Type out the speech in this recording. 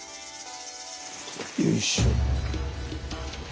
よいしょ。